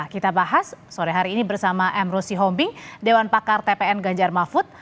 kita bahas sore hari ini bersama m rusi hombing dewan pakar tpn ganjar mafud